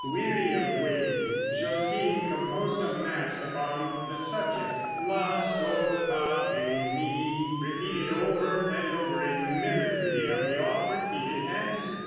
Weary of waiting, Josquin composed a mass upon the subject la, sol, fa, re, mi, repeated over and over in mimicry of the oft repeated answer.